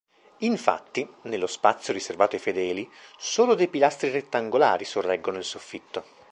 Infatti, nello spazio riservato ai fedeli, solo dei pilastri rettangolari sorreggono il soffitto.